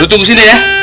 lo tunggu sini ya